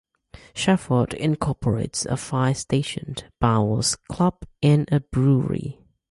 Shefford incorporates a fire station, bowls club and a brewery.